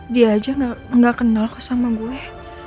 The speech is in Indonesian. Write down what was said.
dia aja gak kenal sama gue